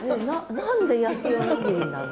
何で焼きおにぎりなの？